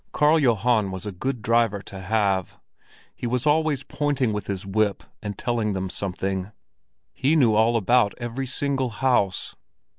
Karl Johan was a good driver to have; he was always pointing with his whip and telling them something. He knew all about every single house.